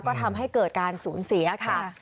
ก็ทำให้เกิดการสูญเสียค่ะ